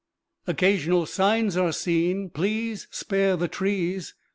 Occasional signs are seen: "Please spare the trees."